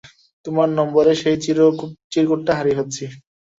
তোমার নম্বরের সেই চিরকুটটা হারিয়ে ফেলেছি।